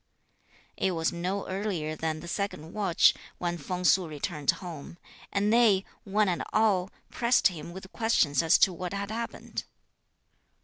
It was no earlier than the second watch, when Feng Su returned home; and they, one and all, pressed him with questions as to what had happened.